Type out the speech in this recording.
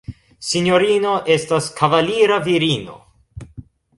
Sinjorino estas kavalira virino.